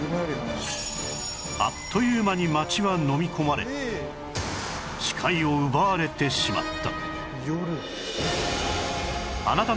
あっという間に街はのみ込まれ視界を奪われてしまった